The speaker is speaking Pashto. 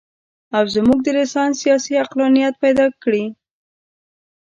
او زموږ رنسانس سیاسي عقلانیت پیدا کړي.